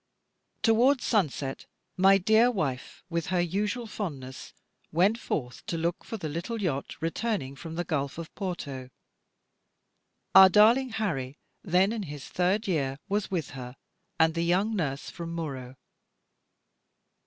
Towards sunset, my dear wife, with her usual fondness, went forth to look for the little yacht returning from the gulf of Porto. Our darling Harry, then in his third year, was with her, and the young nurse from Muro.